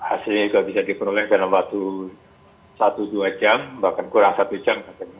hasilnya juga bisa diperoleh dalam waktu satu dua jam bahkan kurang satu jam katanya